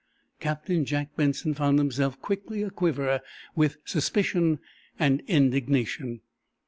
Captain Jack Benson found himself quickly aquiver with suspicion and indignation.